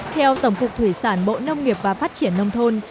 theo tổng cục thủy sản bộ nông nghiệp và phát triển nông thôn